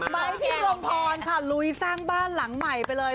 พี่รมพรค่ะลุยสร้างบ้านหลังใหม่ไปเลย